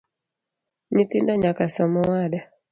Nyithindo nyaka som awada